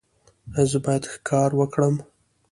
ایا زه باید ښکار وکړم؟